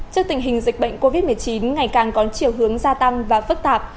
trước tình hình dịch bệnh covid một mươi chín ngày càng có chiều hướng gia tăng và phức tạp